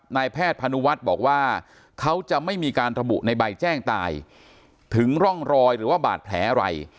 นายแพทย์พนุวัฒน์บอกว่าเขาจะไม่มีการระบุในใบแจ้งตายถึงร่องรอยหรือว่าบาดแผลอะไร